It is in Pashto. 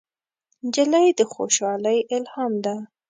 نجلۍ د خوشحالۍ الهام ده.